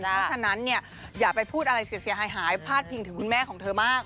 เพราะฉะนั้นเนี่ยอย่าไปพูดอะไรเสียหายพาดพิงถึงคุณแม่ของเธอมาก